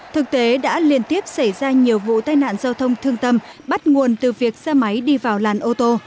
thực tế đã liên tiếp xảy ra nhiều vụ tai nạn giao thông thương tâm bắt nguồn từ việc xe máy đi vào làn ô tô